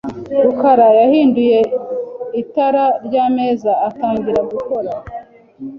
rukara yahinduye itara ryameza atangira gukora .